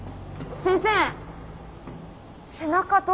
先生